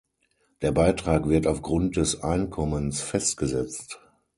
Der Beitrag wird aufgrund des Einkommens festgesetzt.